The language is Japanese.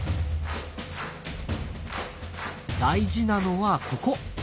大事なのはここ！